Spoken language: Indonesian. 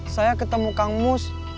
saya ketemu kang mus